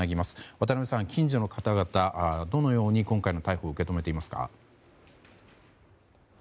渡辺さん、近所の方々どのように今回の逮捕を受け止めていますか？